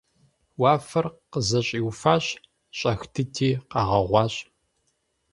Уафэр къызэщӏиуфащ, щӏэх дыди къэгъуэгъуащ.